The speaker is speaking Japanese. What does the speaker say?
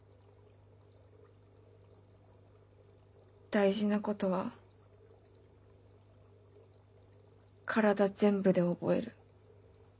大事なことは体全部で覚える。